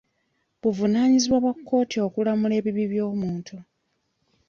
Buvunaanyizibwa bwa kkooti okulamula ebibi by'omuntu.